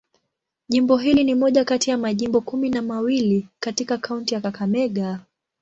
Jimbo hili ni moja kati ya majimbo kumi na mawili katika kaunti ya Kakamega.